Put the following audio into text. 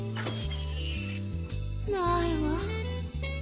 ないわ。